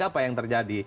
apa yang terjadi